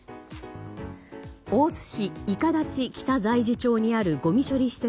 大津市伊香立北在地町にあるごみ処理施設